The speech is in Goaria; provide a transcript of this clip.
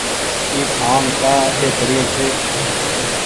اي ٺآم ڪآ اٺي پڙيي ڇي